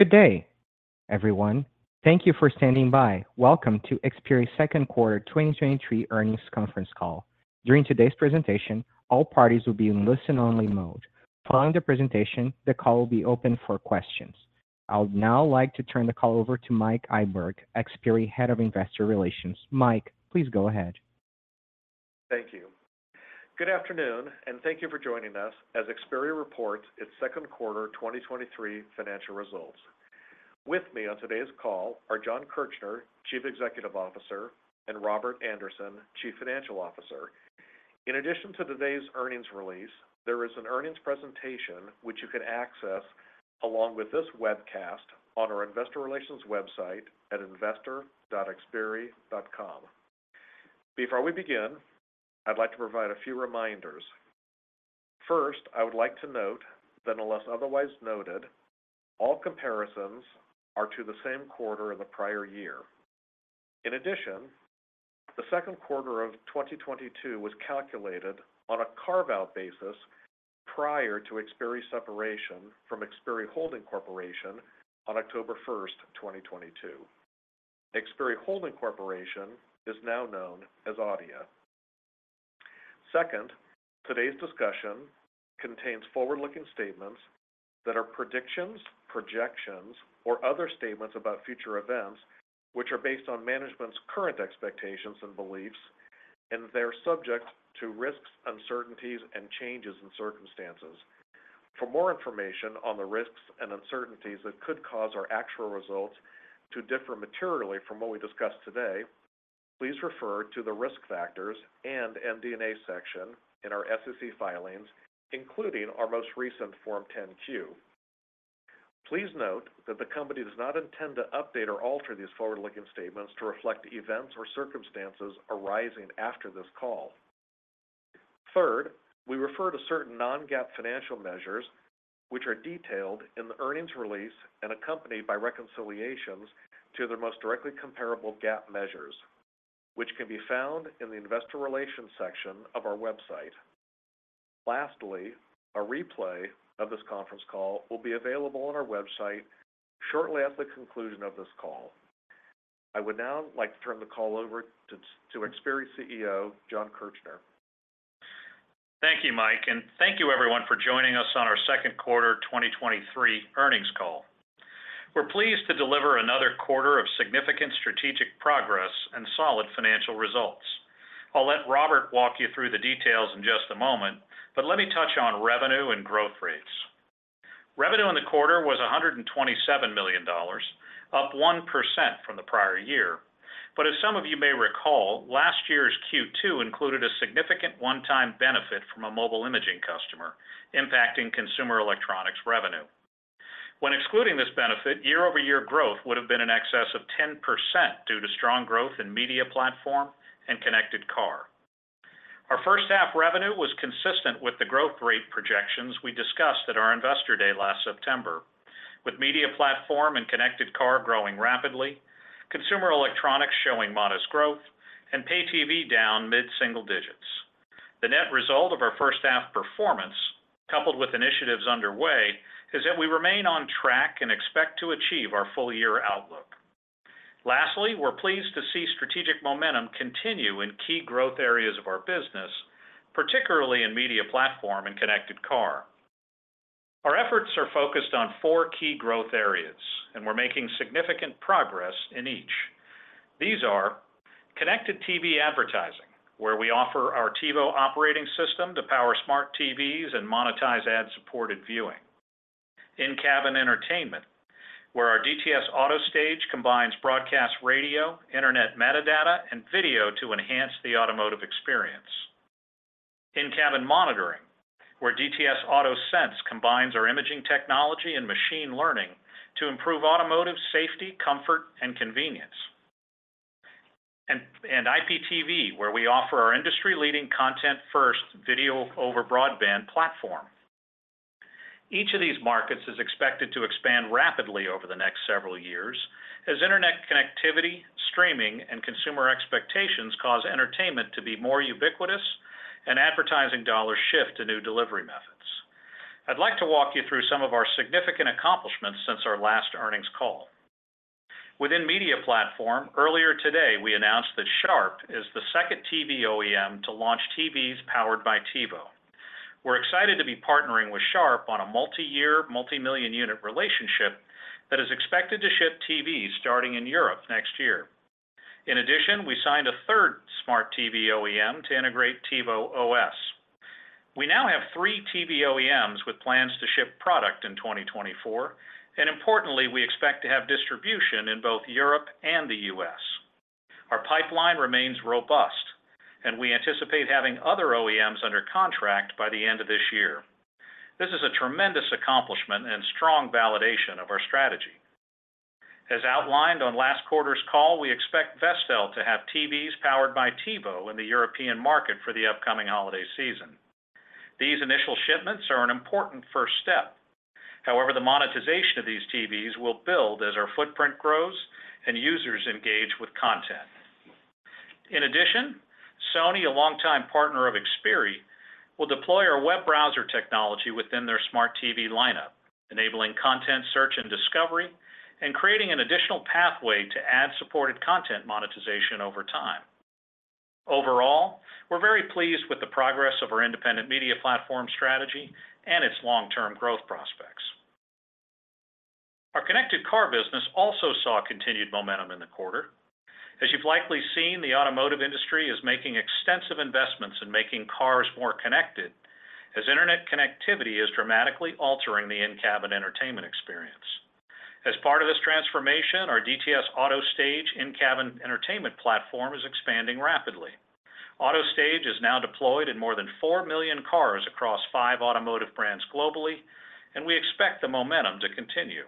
Good day, everyone. Thank you for standing by. Welcome to Xperi's Second Quarter 2023 Earnings Conference Call. During today's presentation, all parties will be in listen-only mode. Following the presentation, the call will be open for questions. I would now like to turn the call over to Mike Iburg, Xperi, Head of Investor Relations. Mike, please go ahead. Thank you. Good afternoon, and thank you for joining us as Xperi reports its Second Quarter 2023 Financial Results. With me on today's call are Jon Kirchner; Chief Executive Officer, and Robert Andersen; Chief Financial Officer. In addition to today's Earnings Release, there is an earnings presentation which you can access, along with this webcast, on our investor relations website at investor.xperi.com. Before we begin, I'd like to provide a few reminders. First, I would like to note that unless otherwise noted, all comparisons are to the same quarter in the prior year. In addition, the second quarter of 2022 was calculated on a carve-out basis prior to Xperi's separation from Xperi Holding Corporation on October 1st 2022. Xperi Holding Corporation is now known as Adeia. Second, today's discussion contains forward-looking statements that are predictions, projections, or other statements about future events, which are based on management's current expectations and beliefs, and they are subject to risks, uncertainties, and changes in circumstances. For more information on the risks and uncertainties that could cause our actual results to differ materially from what we discuss today, please refer to the Risk Factors & MD&A section in our SEC filings, including our most recent Form 10-Q. Please note that the company does not intend to update or alter these forward-looking statements to reflect events or circumstances arising after this call. Third, we refer to certain non-GAAP financial measures, which are detailed in the earnings release and accompanied by reconciliations to their most directly comparable GAAP measures, which can be found in the Investor Relations section of our website. Lastly, a replay of this conference call will be available on our website shortly at the conclusion of this call. I would now like to turn the call over to Xperi's CEO; Jon Kirchner. Thank you, Mike, and thank you everyone for joining us on our second quarter 2023 earnings call. We're pleased to deliver another quarter of significant strategic progress and solid financial results. I'll let Robert Andersen walk you through the details in just a moment, but let me touch on revenue and growth rates. Revenue in the quarter was $127 million, up 1% from the prior year. As some of you may recall, last year's Q2 included a significant one-time benefit from a mobile imaging customer, impacting consumer electronics revenue. When excluding this benefit, year-over-year growth would have been in excess of 10% due to strong growth in media platform and connected car. Our first half revenue was consistent with the growth rate projections we discussed at our Investor Day last September, with media platform and connected car growing rapidly, consumer electronics showing modest growth, and Pay TV down mid-single digits. The net result of our first half performance, coupled with initiatives underway, is that we remain on track and expect to achieve our full-year outlook. Lastly, we're pleased to see strategic momentum continue in key growth areas of our business, particularly in media platform and connected car. Our efforts are focused on four key growth areas, and we're making significant progress in each. These are: connected TV advertising, where we offer our TiVo OS to power smart TVs and monetize ad-supported viewing; in-cabin entertainment, where our DTS AutoStage combines broadcast radio, internet metadata, and video to enhance the automotive experience; in-cabin monitoring, where DTS AutoSense combines our imaging technology and machine learning to improve automotive safety, comfort, and convenience; and IPTV, where we offer our industry-leading content first video over broadband platform. Each of these markets is expected to expand rapidly over the next several years as internet connectivity, streaming, and consumer expectations cause entertainment to be more ubiquitous and advertising dollars shift to new delivery methods. I'd like to walk you through some of our significant accomplishments since our last earnings call. Within Media Platform, earlier today, we announced that Sharp is the second TV OEM to launch TVs powered by TiVo. We're excited to be partnering with Sharp on a multi-year, multi-million unit relationship that is expected to ship TVs starting in Europe next year. In addition, we signed a third smart TV OEM to integrate TiVo OS. We now have three TV OEMs with plans to ship product in 2024, and importantly, we expect to have distribution in both Europe and the US. Our pipeline remains robust, and we anticipate having other OEMs under contract by the end of this year. This is a tremendous accomplishment and strong validation of our strategy. As outlined on last quarter's call, we expect Vestel to have TVs powered by TiVo in the European market for the upcoming holiday season. These initial shipments are an important first step. However, the monetization of these TVs will build as our footprint grows and users engage with content. In addition, Sony, a longtime partner of Xperi, will deploy our web browser technology within their smart TV lineup, enabling content search and discovery, and creating an additional pathway to ad-supported content monetization over time. Overall, we're very pleased with the progress of our independent media platform strategy and its long-term growth prospects. Our connected car business also saw continued momentum in the quarter. As you've likely seen, the automotive industry is making extensive investments in making cars more connected, as internet connectivity is dramatically altering the in-cabin entertainment experience. As part of this transformation, our DTS AutoStage in-cabin entertainment platform is expanding rapidly. AutoStage is now deployed in more than four million cars across five automotive brands globally, and we expect the momentum to continue.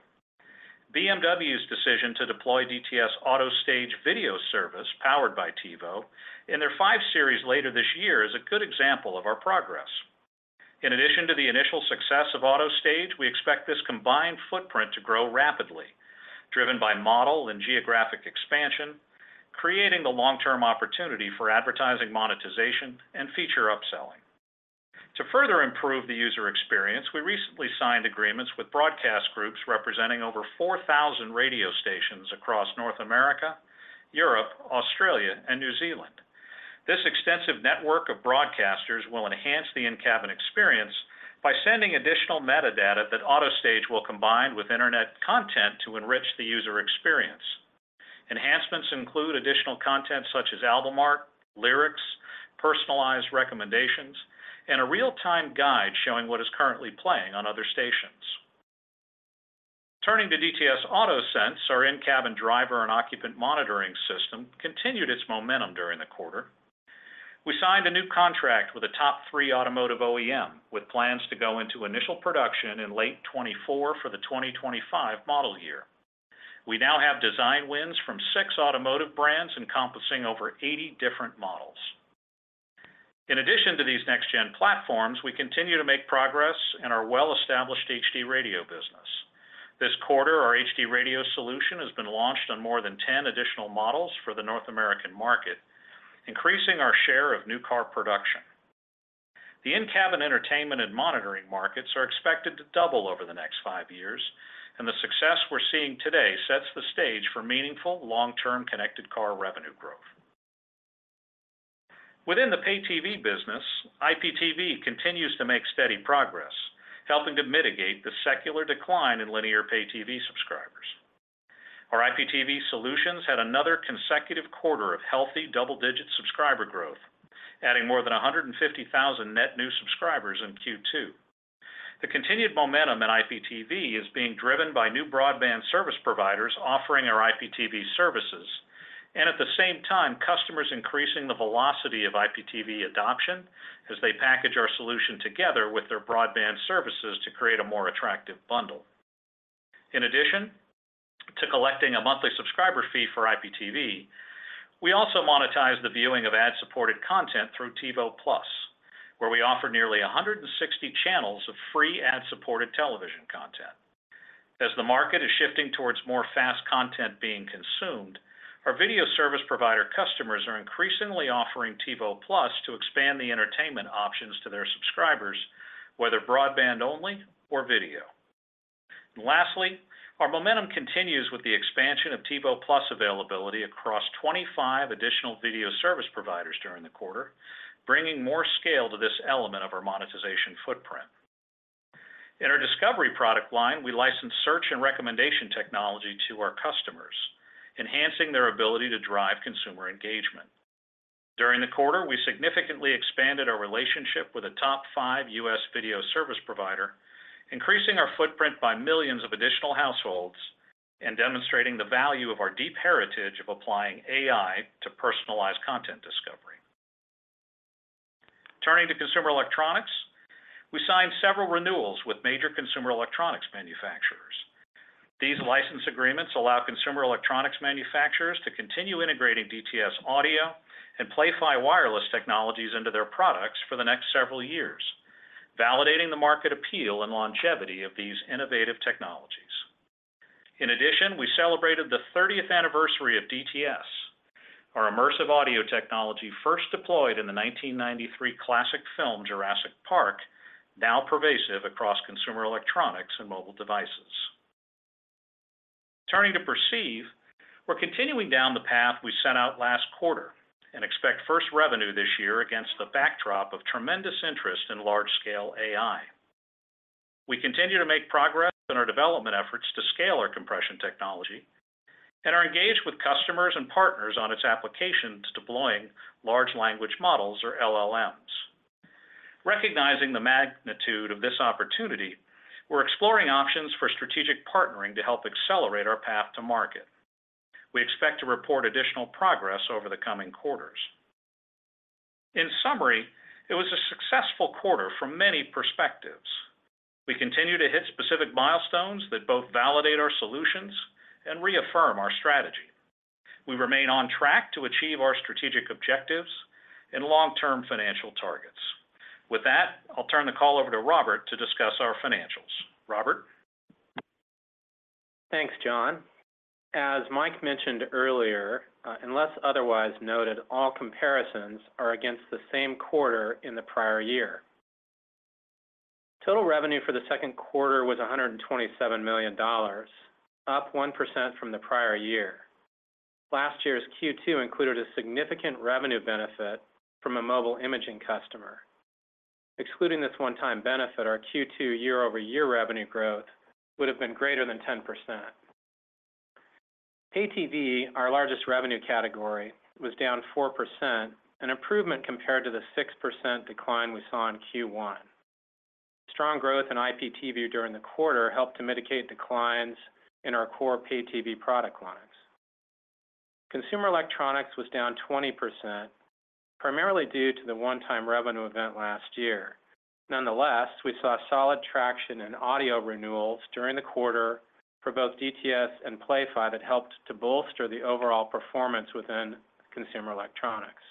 BMW's decision to deploy DTS AutoStage video service, powered by TiVo, in their 5 Series later this year, is a good example of our progress. In addition to the initial success of AutoStage, we expect this combined footprint to grow rapidly, driven by model and geographic expansion, creating the long-term opportunity for advertising, monetization, and feature upselling. To further improve the user experience, we recently signed agreements with broadcast groups representing over 4,000 radio stations across North America, Europe, Australia, and New Zealand. This extensive network of broadcasters will enhance the in-cabin experience by sending additional metadata that AutoStage will combine with internet content to enrich the user experience. Enhancements include additional content such as album art, lyrics, personalized recommendations, and a real-time guide showing what is currently playing on other stations. Turning to DTS AutoSense, our in-cabin driver and occupant monitoring system, continued its momentum during the quarter. We signed a new contract with a top three automotive OEM, with plans to go into initial production in late 2024 for the 2025 model year. We now have design wins from six automotive brands encompassing over 80 different models. In addition to these next-gen platforms, we continue to make progress in our well-established HD Radio business. This quarter, our HD Radio solution has been launched on more than 10 additional models for the North American market, increasing our share of new car production. The in-cabin entertainment and monitoring markets are expected to double over the next five years, the success we're seeing today sets the stage for meaningful, long-term connected car revenue growth. Within the Pay TV business, IPTV continues to make steady progress, helping to mitigate the secular decline in linear Pay TV subscribers. Our IPTV solutions had another consecutive quarter of healthy double-digit subscriber growth, adding more than 150,000 net new subscribers in Q2. The continued momentum in IPTV is being driven by new broadband service providers offering our IPTV services, at the same time, customers increasing the velocity of IPTV adoption as they package our solution together with their broadband services to create a more attractive bundle. In addition to collecting a monthly subscriber fee for IPTV, we also monetize the viewing of ad-supported content through TiVo+, where we offer nearly 160 channels of free ad-supported television content. As the market is shifting towards more FAST content being consumed, our video service provider customers are increasingly offering TiVo+ to expand the entertainment options to their subscribers, whether broadband only or video. Lastly, our momentum continues with the expansion of TiVo+ availability across 25 additional video service providers during the quarter, bringing more scale to this element of our monetization footprint. In our Discovery product line, we license search and recommendation technology to our customers, enhancing their ability to drive consumer engagement. During the quarter, we significantly expanded our relationship with a top five US video service provider, increasing our footprint by millions of additional households and demonstrating the value of our deep heritage of applying AI to personalized content discovery. Turning to consumer electronics, we signed several renewals with major consumer electronics manufacturers. These license agreements allow consumer electronics manufacturers to continue integrating DTS audio and Play-Fi wireless technologies into their products for the next several years, validating the market appeal and longevity of these innovative technologies. We celebrated the thirtieth anniversary of DTS. Our immersive audio technology, first deployed in the 1993 classic film, Jurassic Park, now pervasive across consumer electronics and mobile devices. Turning to Perceive, we're continuing down the path we set out last quarter and expect first revenue this year against the backdrop of tremendous interest in large-scale AI. We continue to make progress in our development efforts to scale our compression technology and are engaged with customers and partners on its application to deploying large language models or LLMs. Recognizing the magnitude of this opportunity, we're exploring options for strategic partnering to help accelerate our path to market. We expect to report additional progress over the coming quarters. In summary, it was a successful quarter from many perspectives. We continue to hit specific milestones that both validate our solutions and reaffirm our strategy. We remain on track to achieve our strategic objectives and long-term financial targets. With that, I'll turn the call over to Robert to discuss our financials. Robert? Thanks, Jon. As Mike mentioned earlier, unless otherwise noted, all comparisons are against the same quarter in the prior year. Total revenue for the second quarter was $127 million, up 1% from the prior year. Last year's Q2 included a significant revenue benefit from a mobile imaging customer. Excluding this one-time benefit, our Q2 year-over-year revenue growth would have been greater than 10%. Pay TV, our largest revenue category, was down 4%, an improvement compared to the 6% decline we saw in Q1. Strong growth in IPTV during the quarter helped to mitigate declines in our core Pay TV product lines. Consumer electronics was down 20%, primarily due to the one-time revenue event last year. Nonetheless, we saw solid traction in audio renewals during the quarter for both DTS and Play-Fi that helped to bolster the overall performance within consumer electronics.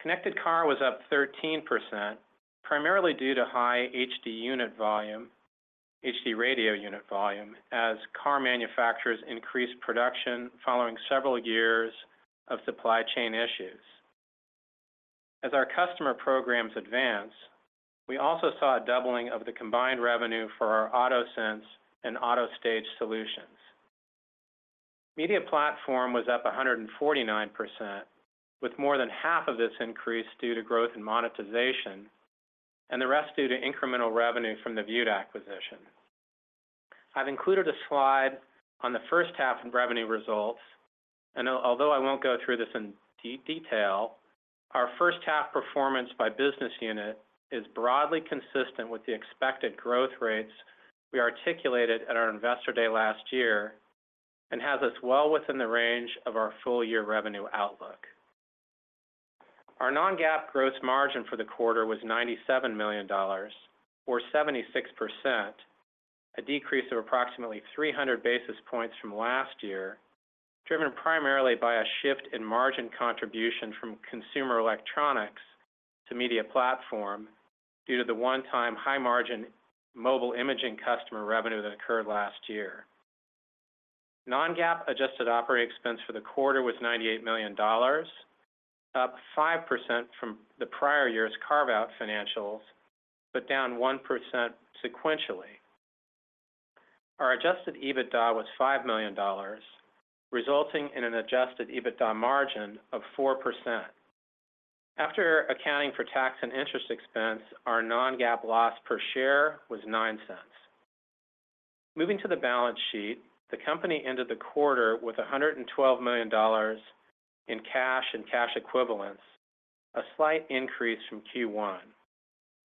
Connected car was up 13%, primarily due to high HD unit volume-- HD Radio unit volume, as car manufacturers increased production following several years of supply chain issues. As our customer programs advance, we also saw a doubling of the combined revenue for our AutoSense and AutoStage solutions. Media Platform was up 149%, with more than half of this increase due to growth in monetization, and the rest due to incremental revenue from the Vewd acquisition. I've included a slide on the first half in revenue results, although I won't go through this in detail, our first half performance by business unit is broadly consistent with the expected growth rates we articulated at our Investor Day last year, and has us well within the range of our full-year revenue outlook. Our non-GAAP gross margin for the quarter was $97 million, or 76%, a decrease of approximately 300 basis points from last year, driven primarily by a shift in margin contribution from consumer electronics to media platform due to the one-time high-margin mobile imaging customer revenue that occurred last year. Non-GAAP adjusted operating expense for the quarter was $98 million, up 5% from the prior year's carve-out financials, but down 1% sequentially. Our adjusted EBITDA was $5 million, resulting in an adjusted EBITDA margin of 4%. After accounting for tax and interest expense, our non-GAAP loss per share was $0.09. Moving to the balance sheet, the company ended the quarter with a $112 million in cash and cash equivalents, a slight increase from Q1.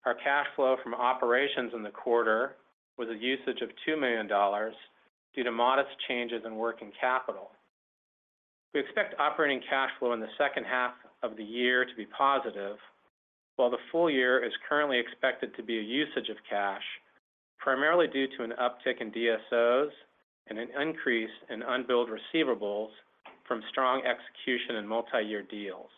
Our cash flow from operations in the quarter was a usage of $2 million due to modest changes in working capital. We expect operating cash flow in the second half of the year to be positive, while the full year is currently expected to be a usage of cash, primarily due to an uptick in DSOs and an increase in unbilled receivables from strong execution in multi-year deals.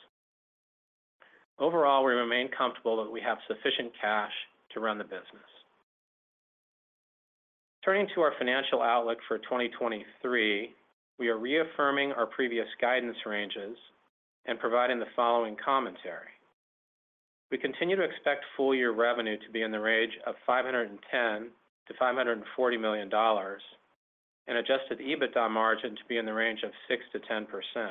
Overall, we remain comfortable that we have sufficient cash to run the business. Turning to our financial outlook for 2023, we are reaffirming our previous guidance ranges and providing the following commentary. We continue to expect full year revenue to be in the range of $510 million-$540 million, and adjusted EBITDA margin to be in the range of 6%-10%.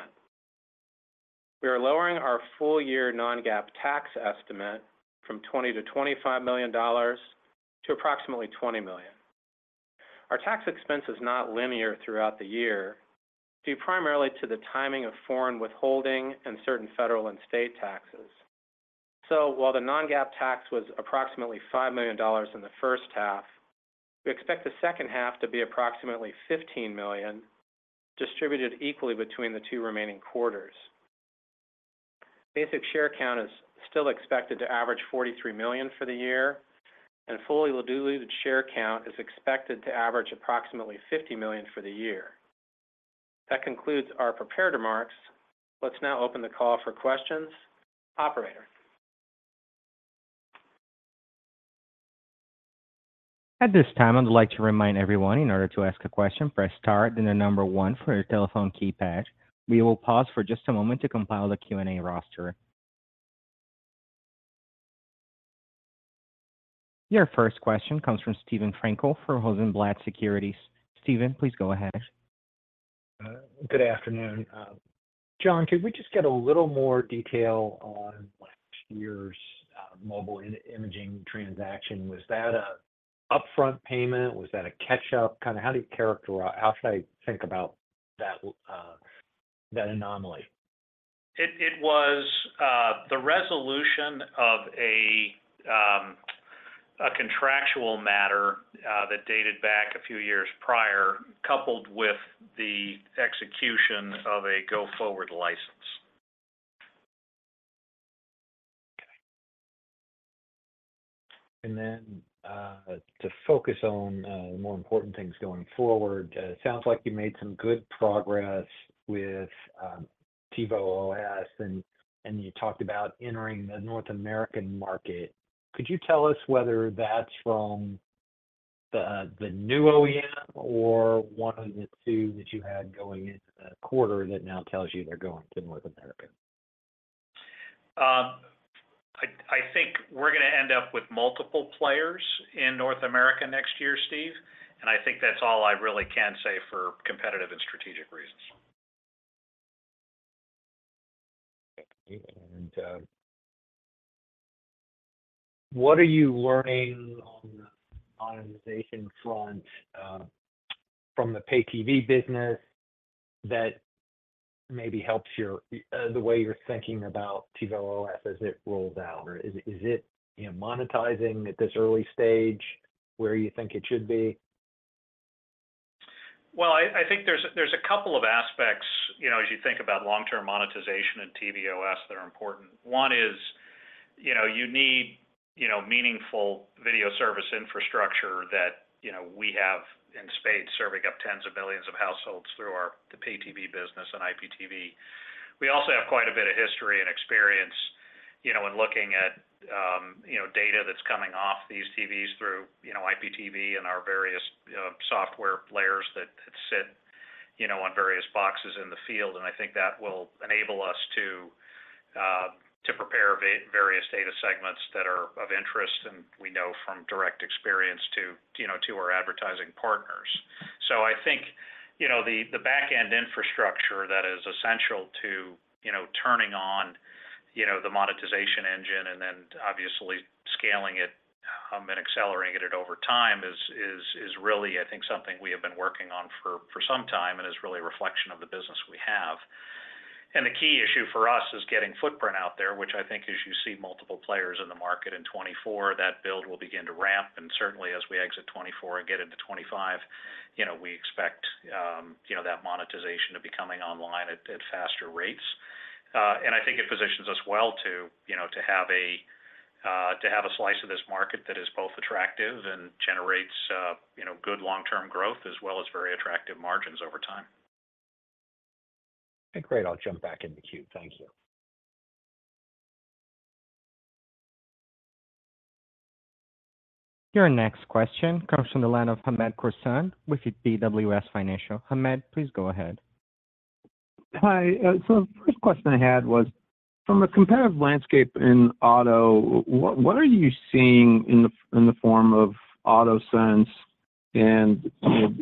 We are lowering our full-year non-GAAP tax estimate from $20 million-$25 million to approximately $20 million. Our tax expense is not linear throughout the year, due primarily to the timing of foreign withholding and certain federal and state taxes. While the non-GAAP tax was approximately $5 million in the first half, we expect the second half to be approximately $15 million, distributed equally between the two remaining quarters. Basic share count is still expected to average 43 million for the year, and fully diluted share count is expected to average approximately 50 million for the year. That concludes our prepared remarks. Let's now open the call for questions. Operator? At this time, I would like to remind everyone, in order to ask a question, press star, then the 1 for your telephone keypad. We will pause for just a moment to compile the Q&A roster. Your first question comes from Steven Frankel for Rosenblatt Securities. Steven, please go ahead. Good afternoon. Jon, could we just get a little more detail on last year's mobile imaging transaction? Was that a upfront payment? Was that a catch-up? Kinda how do you characterize... How should I think about that, that anomaly? It, it was the resolution of a contractual matter that dated back a few years prior, coupled with the execution of a go-forward license. Okay. Then, to focus on more important things going forward, it sounds like you made some good progress with TiVo OS, and, and you talked about entering the North American market. Could you tell us whether that's from the new OEM or one of the two that you had going into the quarter that now tells you they're going to North America? I think we're gonna end up with multiple players in North America next year, Steve. I think that's all I really can say for competitive and strategic reasons. Okay. What are you learning on the monetization front, from the Pay TV business that maybe helps the way you're thinking about TiVo OS as it rolls out? Or is, is it, you know, monetizing at this early stage where you think it should be? Well, I, I think there's, there's a couple of aspects, you know, as you think about long-term monetization and TiVo OS that are important. One is, you know, you need, you know, meaningful video service infrastructure that, you know, we have in spades, serving up tens of millions of households through the Pay TV business and IPTV. We also have quite a bit of history and experience, you know, in looking at, you know, data that's coming off these TVs through, you know, IPTV and our various software layers that, that sit, you know, on various boxes in the field. And I think that will enable us to prepare various data segments that are of interest, and we know from direct experience to, you know, to our advertising partners. I think, you know, the, the back-end infrastructure that is essential to, you know, turning on, you know, the monetization engine and then obviously scaling it, and accelerating it over time is, is, is really, I think, something we have been working on for, for some time and is really a reflection of the business we have. The key issue for us is getting footprint out there, which I think as you see multiple players in the market in 2024, that build will begin to ramp. Certainly, as we exit 2024 and get into 2025, you know, we expect, you know, that monetization to be coming online at, at faster rates. I think it positions us well to, you know, to have a to have a slice of this market that is both attractive and generates, you know, good long-term growth as well as very attractive margins over time. Okay, great. I'll jump back in the queue. Thank you. Your next question comes from the line of Hamed Khorsand with BWS Financial. Hamed, please go ahead. Hi. The first question I had was, from a competitive landscape in auto, what, what are you seeing in the, in the form of AutoSense? And, you know,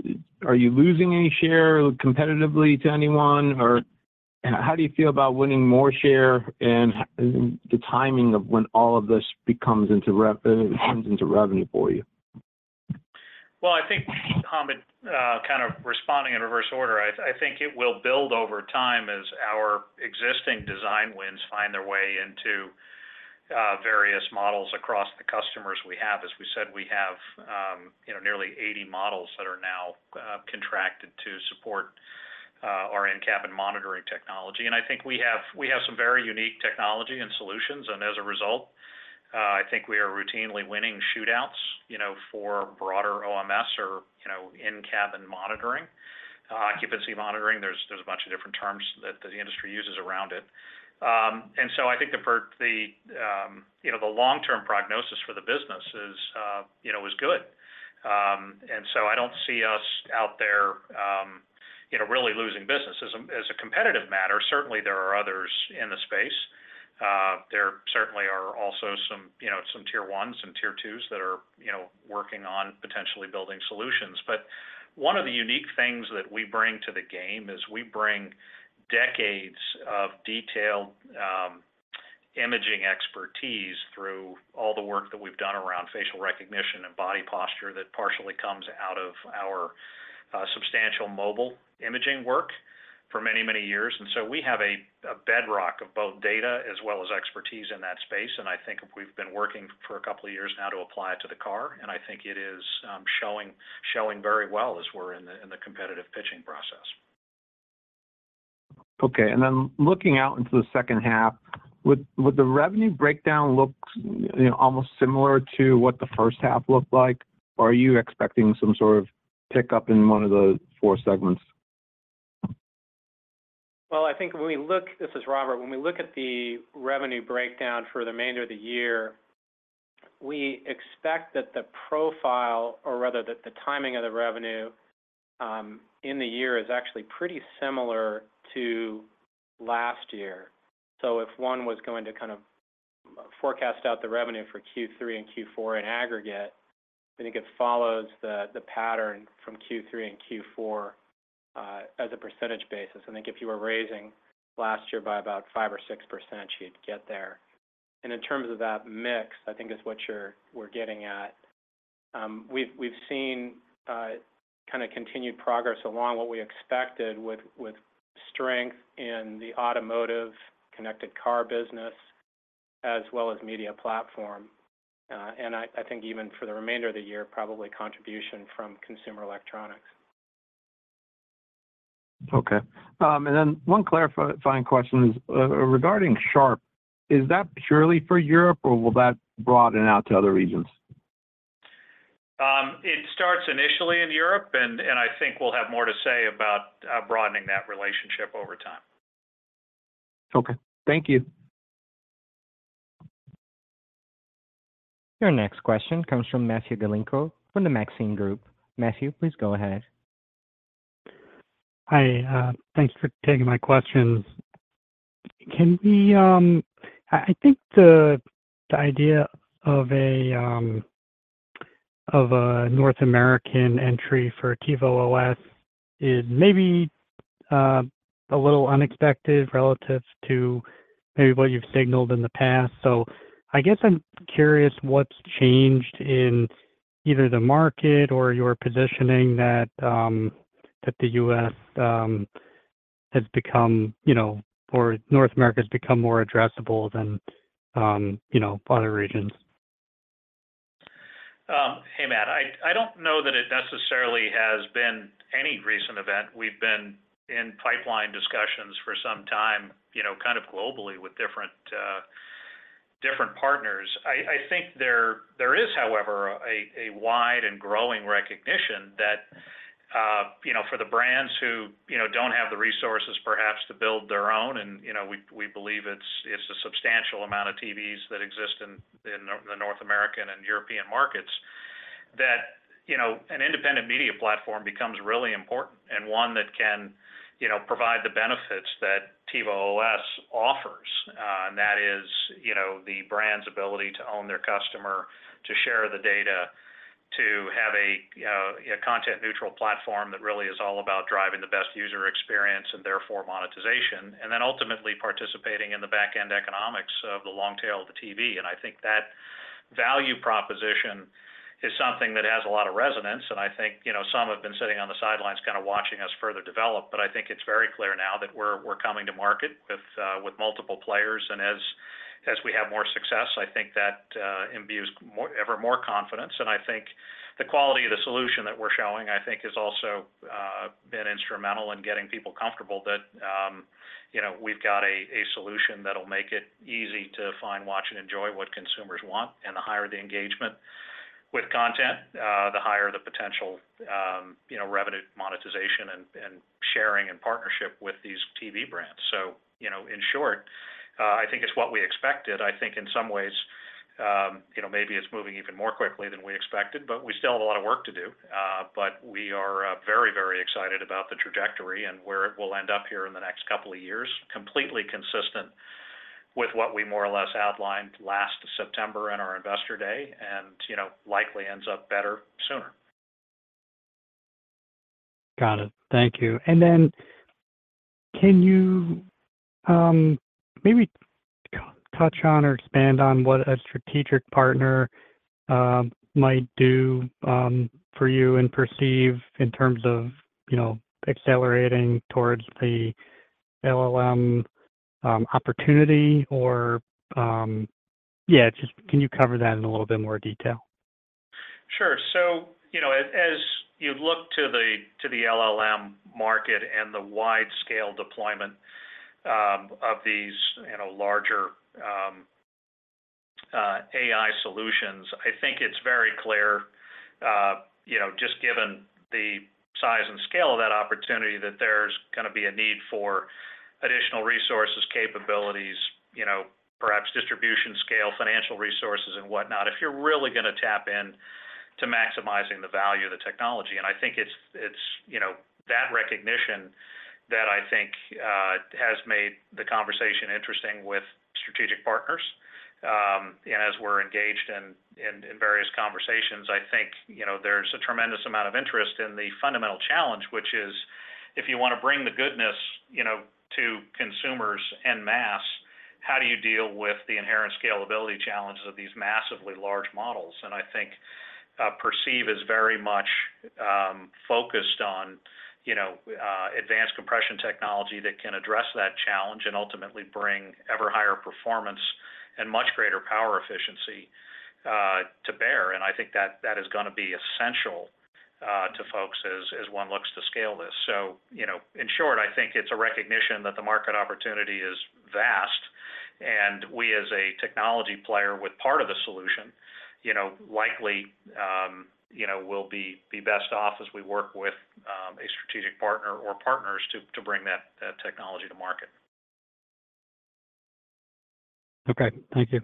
are you losing any share competitively to anyone? Or how do you feel about winning more share and the timing of when all of this becomes into turns into revenue for you? Well, I think, Hamed, kind of responding in reverse order, I, I think it will build over time as our existing design wins find their way into various models across the customers we have. As we said, we have, you know, nearly 80 models that are now contracted to support our in-cabin monitoring technology. I think we have, we have some very unique technology and solutions, and as a result, I think we are routinely winning shootouts, you know, for broader OMS or, you know, in-cabin monitoring, occupancy monitoring. There's, there's a bunch of different terms that the industry uses around it. I think the, you know, the long-term prognosis for the business is, you know, is good. I don't see us out there, you know, really losing business. As a, as a competitive matter, certainly there are others in the space. There certainly are also some, you know, some tier ones and tier twos that are, you know, working on potentially building solutions. One of the unique things that we bring to the game is we bring decades of detailed imaging expertise through all the work that we've done around facial recognition and body posture that partially comes out of our substantial mobile imaging work for many, many years. We have a, a bedrock of both data as well as expertise in that space, and I think we've been working for a couple of years now to apply it to the car, and I think it is showing, showing very well as we're in the, in the competitive pitching process. Okay. Then looking out into the second half, would the revenue breakdown look, you know, almost similar to what the first half looked like, or are you expecting some sort of pickup in one of the four segments? Well, I think when we look. This is Robert. When we look at the revenue breakdown for the remainder of the year, we expect that the profile, or rather that the timing of the revenue in the year, is actually pretty similar to last year. If one was going to kind of forecast out the revenue for Q3 and Q4 in aggregate, I think it follows the pattern from Q3 and Q4 as a percentage basis. I think if you were raising last year by about 5% or 6%, you'd get there. In terms of that mix, I think is what we're getting at, we've, we've seen kind of continued progress along what we expected with strength in the automotive connected car business as well as media platform. I think even for the remainder of the year, probably contribution from consumer electronics. Okay. One clarifying question is regarding Sharp, is that purely for Europe, or will that broaden out to other regions? t starts initially in Europe, and I think we'll have more to say about broadening that relationship over time. Okay. Thank you. Your next question comes from Matthew Galinko from the Maxim Group. Matthew, please go ahead. Hi, thanks for taking my questions. I think the, the idea of a, North American entry for TiVo OS is maybe a little unexpected relative to maybe what you've signaled in the past. I guess I'm curious, what's changed in either the market or your positioning that the U.S. has become, you know, or North America has become more addressable than, you know, other regions? Hey, Matt, I, I don't know that it necessarily has been any recent event. We've been in pipeline discussions for some time, you know, kind of globally with different partners. I, I think there, there is, however, a, a wide and growing recognition that, you know, for the brands who, you know, don't have the resources perhaps to build their own, and, you know, we, we believe it's, it's a substantial amount of TVs that exist in the North American and European markets, that, you know, an independent media platform becomes really important and one that can, you know, provide the benefits that TiVo OS offers. That is, you know, the brand's ability to own their customer, to share the data, to have a content-neutral platform that really is all about driving the best user experience and therefore monetization, and then ultimately participating in the back-end economics of the long tail of the TV. I think that value proposition is something that has a lot of resonance, and I think, you know, some have been sitting on the sidelines kind of watching us further develop. I think it's very clear now that we're, we're coming to market with multiple players, and as, as we have more success, I think that imbues ever more confidence. I think the quality of the solution that we're showing, I think, has also been instrumental in getting people comfortable that, you know, we've got a solution that'll make it easy to find, watch, and enjoy what consumers want. The higher the engagement with content, the higher the potential, you know, revenue monetization and sharing and partnership with these TV brands. You know, in short, I think it's what we expected. I think in some ways, you know, maybe it's moving even more quickly than we expected, but we still have a lot of work to do. We are very, very excited about the trajectory and where it will end up here in the next couple of years, completely consistent with what we more or less outlined last September in our Investor Day. You know, likely ends up better sooner. Got it. Thank you. Then can you maybe touch on or expand on what a strategic partner might do for you and Perceive in terms of, you know, accelerating towards the LLM opportunity? Yeah, just can you cover that in a little bit more detail? Sure. You know, as, as you look to the, to the LLM market and the wide-scale deployment, of these, you know, larger, AI solutions, I think it's very clear, you know, just given the size and scale of that opportunity, that there's gonna be a need for additional resources, capabilities, you know, perhaps distribution scale, financial resources, and whatnot, if you're really gonna tap in to maximizing the value of the technology. I think it's, it's, you know, that recognition that I think, has made the conversation interesting with strategic partners. As we're engaged in, in, in various conversations, I think, you know, there's a tremendous amount of interest in the fundamental challenge, which is: if you wanna bring the goodness, you know, to consumers en masse, how do you deal with the inherent scalability challenges of these massively large models? I think Perceive is very much focused on, you know, advanced compression technology that can address that challenge and ultimately bring ever higher performance and much greater power efficiency to bear. I think that, that is gonna be essential to folks as one looks to scale this. You know, in short, I think it's a recognition that the market opportunity is vast, and we, as a technology player with part of the solution, you know, likely, you know, will be best off as we work with a strategic partner or partners to bring that technology to market. Okay. Thank you.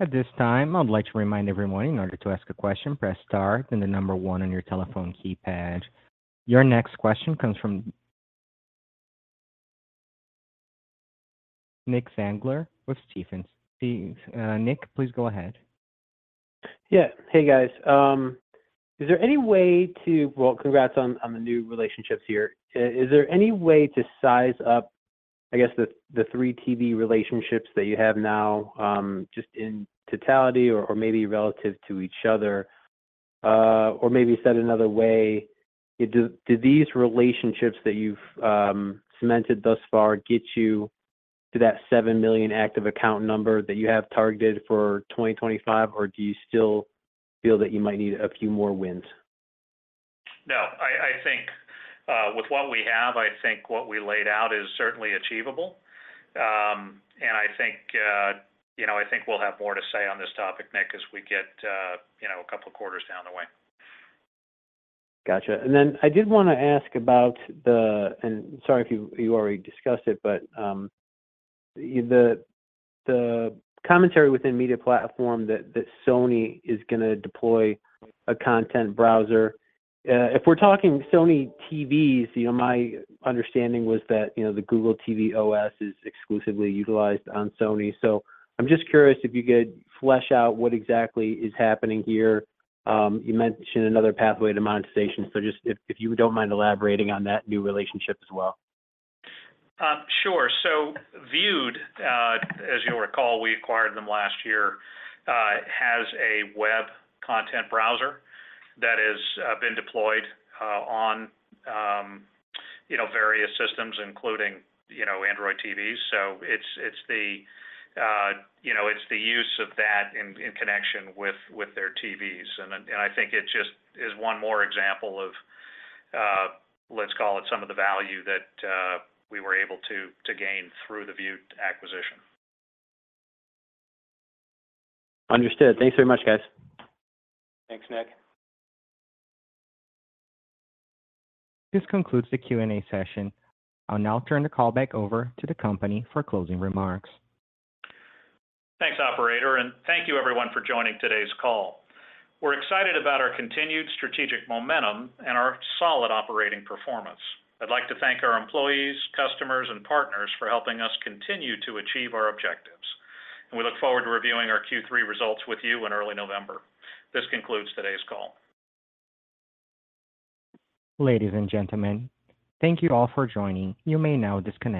At this time, I'd like to remind everyone, in order to ask a question, press star, then the number one on your telephone keypad. Your next question comes from Nicholas Zangler with Stephens Inc. Nick, please go ahead. Yeah. Hey, guys. Is there any way to... Well, congrats on the new relationships here. Is there any way to size up, I guess, the three TV relationships that you have now, just in totality or maybe relative to each other? Maybe said another way, do these relationships that you've cemented thus far get you to that seven million active account number that you have targeted for 2025, or do you still feel that you might need a few more wins? No. I think, with what we have, I think what we laid out is certainly achievable. I think, you know, I think we'll have more to say on this topic, Nick, as we get, you know, a couple of quarters down the way. Gotcha. I did want to ask about the-- and sorry if you, you already discussed it, but, the commentary within Media Platform that Sony is going to deploy a content browser. If we're talking Sony TVs, you know, my understanding was that, you know, the Google TV OS is exclusively utilized on Sony. I'm just curious if you could flesh out what exactly is happening here. You mentioned another pathway to monetization, so just if, if you don't mind elaborating on that new relationship as well. Sure. Vewd, as you'll recall, we acquired them last year, has a web content browser that has been deployed on, you know, various systems, including, you know, Android TVs. It's, it's the, you know, it's the use of that in, in connection with, with their TVs. And I think it just is one more example of, let's call it some of the value that we were able to gain through the Vewd acquisition. Understood. Thanks very much, guys. Thanks, Nick. This concludes the Q&A session. I'll now turn the call back over to the company for closing remarks. Thanks, operator. Thank you everyone for joining today's call. We're excited about our continued strategic momentum and our solid operating performance. I'd like to thank our employees, customers, and partners for helping us continue to achieve our objectives, and we look forward to reviewing our Q3 results with you in early November. This concludes today's call. Ladies and gentlemen, thank you all for joining. You may now disconnect.